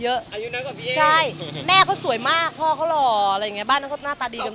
อเจมส์ใช่แม่เขาสวยมากพ่อเขาหล่ออะไรอย่างเงี้ยบ้านเขาก็หน้าตาดีกันหมด